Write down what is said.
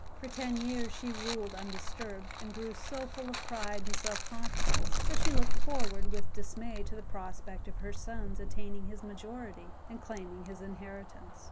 For ten years she ruled undisturbed, and grew so full of pride and self confidence that she looked forward with dismay to the prospect of her son's attaining his majority and claiming his inheritance.